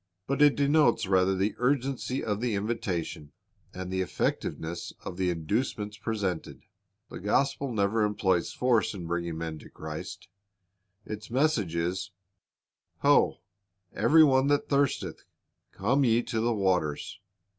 But it denotes rather the urgency of the invitation, and the effectiveness of the inducements presented. The gospel never employs force in bringing men to Christ. Its message is, "Ho, every one that thirsteth, come ye to the waters."